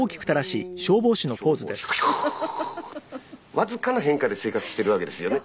わずかな変化で生活しているわけですよねこれ。